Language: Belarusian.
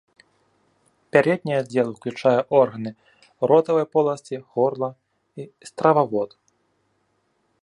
Пярэдні аддзел уключае органы ротавай поласці, горла і стрававод.